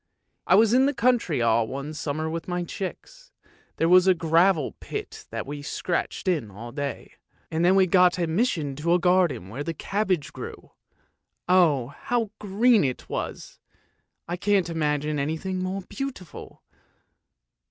" I was in the country all one summer with my chicks; there was a gravel pit that we scratched in all day, and then we got admis sion to a garden where the cabbage grew! Oh, how green it was! I can't imagine anything more beautiful."